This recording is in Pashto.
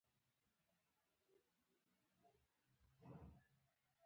احمد ځني عادتونه د خپلې مور کوي، له مور نه یې رنګ اخیستی دی.